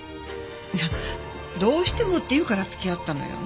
いやどうしてもって言うから付き合ったのよ。